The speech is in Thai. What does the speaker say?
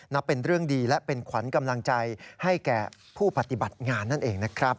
นับเป็นเรื่องดีและเป็นขวัญกำลังใจให้แก่ผู้ปฏิบัติงานนั่นเองนะครับ